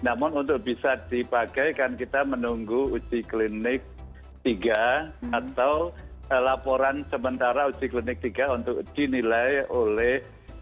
namun untuk bisa dipakai kan kita menunggu uji klinik tiga atau laporan sementara uji klinik tiga untuk dinilai oleh